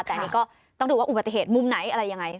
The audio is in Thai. แต่อันนี้ก็ต้องดูว่าอุบัติเหตุมุมไหนอะไรยังไง